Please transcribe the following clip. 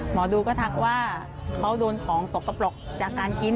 หมอดูก็ทักว่าเขาโดนของสกปรกจากการกิน